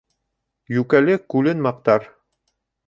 Йүкәле күлен маҡтар.